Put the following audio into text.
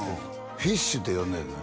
フィッシュって呼んでんねん